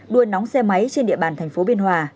đuôi nóng xe máy trên địa bàn thành phố biên hòa